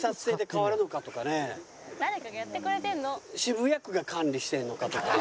「誰かがやってくれてるの」